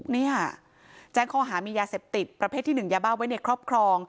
เนี่ยแจ้งข้อหามียาเสพติดประเภทที่๑ยาบ้าไว้ในครอบครอง